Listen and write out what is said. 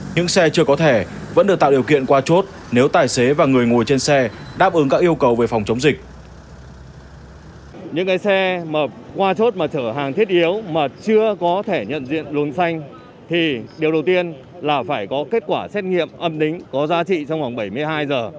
những xe chưa có thẻ vẫn được tạo điều kiện qua chốt nếu tài xế và người ngồi trên xe đáp ứng các yêu cầu về phòng chống dịch